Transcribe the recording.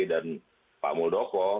dan pak buldoko